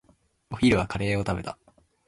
お昼はカレーを食べた。